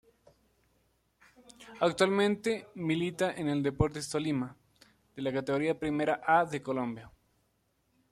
Actualmente milita en el Deportes Tolima de la Categoría Primera A de Colombia.